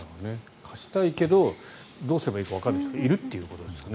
貸したいけどどうすればいいかわかる人がいるということですね。